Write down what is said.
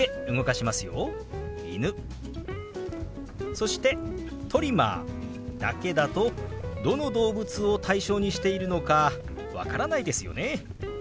そして「トリマー」だけだとどの動物を対象にしているのか分からないですよね。